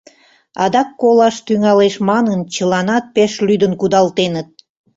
Адак колаш тӱҥалеш манын, чыланат пеш лӱдын кудалтеныт.